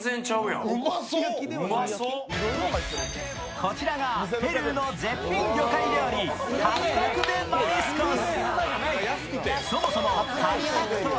こちらがペルーの絶品魚介料理タクタク・デ・マリスコス。